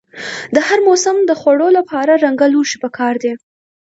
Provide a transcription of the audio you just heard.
د هر موسم د خوړو لپاره رنګه لوښي پکار دي.